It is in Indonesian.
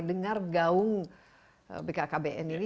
dengar gaung bkkbn ini